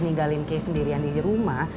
ninggalin kese sendirian di rumah